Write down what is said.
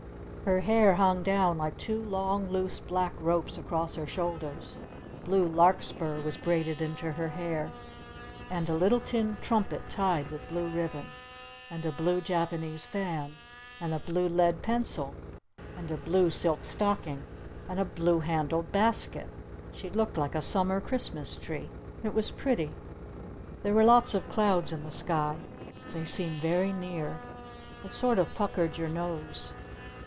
Her hair hung down like two long, loose black ropes across her shoulders! Blue Larkspur was braided into her hair! And a little tin trumpet tied with blue ribbon! And a blue Japanese fan! And a blue lead pencil! And a blue silk stocking! And a blue handled basket! She looked like a Summer Christmas Tree. It was pretty. There were lots of clouds in the sky. They seemed very near. It sort of puckered your nose.